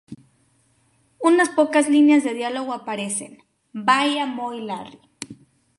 Unas pocas líneas de diálogo aparecen —¡"Vaya Moe, Larry!